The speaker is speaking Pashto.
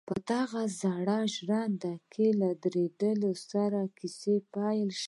په دغه زړه ژرنده کې له درېدو سره کيسه پيل شوه.